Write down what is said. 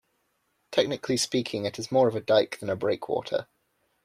Technically speaking, it is more of a dike than a breakwater.